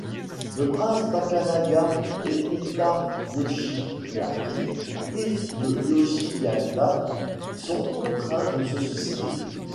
Le prince Takanaga et Nitta Yoshiaki, fils de Yoshisada, sont contraints de se suicider.